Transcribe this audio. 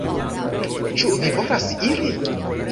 Ĉu vi volas iri?